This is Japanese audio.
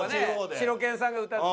シロケンさんが歌って。